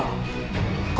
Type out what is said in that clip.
raja asal lo tau